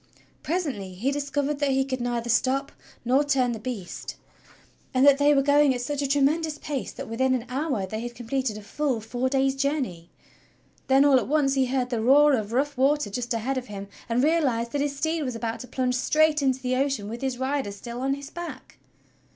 Presently he discov ered that he could neither stop nor turn the beast and that they THE QUEST OF THE HOLY GRAIL 129 were going at such a tremendous pace that within an hour they had completed a full four days' journey. Then, all at once, he heard the roar of rough water just ahead of him, and realized that his steed was about to plunge straight into the ocean with his rider still on his back.